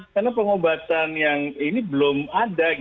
karena pengobatan yang ini belum ada